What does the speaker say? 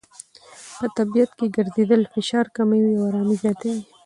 په طبیعت کې ګرځېدل فشار کموي او آرامۍ زیاتوي.